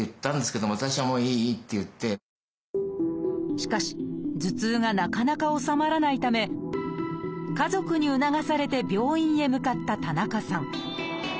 しかし頭痛がなかなか治まらないため家族に促されて病院へ向かった田中さん。